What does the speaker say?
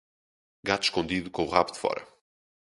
Gato escondido com o rabo de fora.